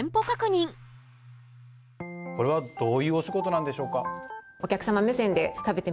これはどういうお仕事なんでしょうか？